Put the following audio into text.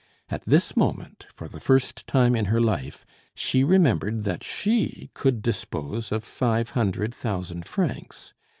At this moment, for the first time in her life, she remembered that she could dispose of five hundred thousand francs.